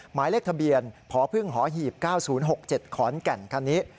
หมายเลขทะเบียนพพหีบ๙๐๖๗ขอนแก่นคันนี้